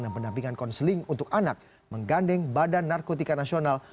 dan penampingan konseling untuk anak menggandeng badan narkotika nasional